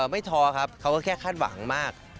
ไม่ท้อครับเขาก็แค่คาดหวังมาก